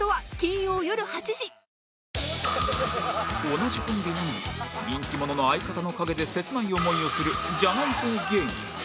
同じコンビなのに人気者の相方の陰で切ない思いをするじゃない方芸人